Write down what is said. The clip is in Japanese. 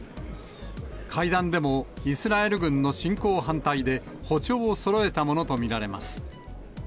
会談でもイスラエル軍の侵攻反対で、歩調をそろえたものと見られます。